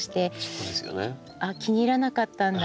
あっ気に入らなかったんだ